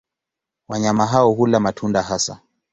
Wanyama hao hula matunda hasa.